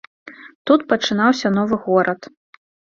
Тут пачынаўся новы горад.